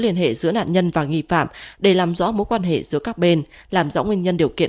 liên hệ giữa nạn nhân và nghi phạm để làm rõ mối quan hệ giữa các bên làm rõ nguyên nhân điều kiện